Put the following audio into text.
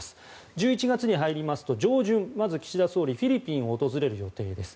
１１月に入りますと上旬に岸田総理はフィリピンを訪れる予定です。